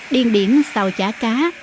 điên điển xào chả cá